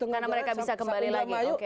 karena mereka bisa kembali lagi